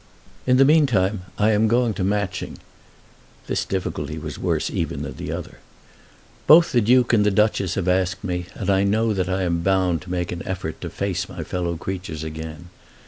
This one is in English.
In the meantime I am going to Matching. [This difficulty was worse even than the other.] Both the Duke and Duchess have asked me, and I know that I am bound to make an effort to face my fellow creatures again.